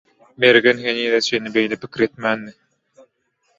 Mergen henize çenli beýle pikir etmändi